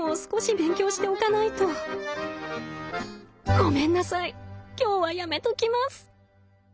「ごめんなさい今日はやめときます」。